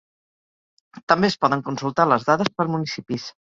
També es poden consultar les dades per municipis.